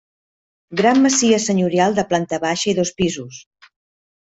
Gran masia senyorial de planta baixa i dos pisos.